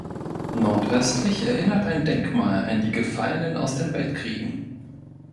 Nordöstlich erinnert ein Denkmal an die Gefallenen aus den Weltkriegen.